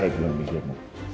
saya belum mikirmu